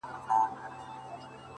د اوښ بـارونـه پـــه واوښـتـل.